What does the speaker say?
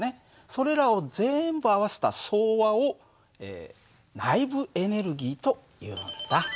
それらを全部合わせた総和を内部エネルギーというんだ。